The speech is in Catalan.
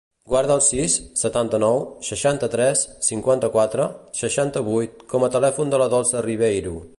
Guarda el sis, setanta-nou, seixanta-tres, cinquanta-quatre, seixanta-vuit com a telèfon de la Dolça Riveiro.